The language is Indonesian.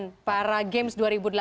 para games dua ribu delapan belas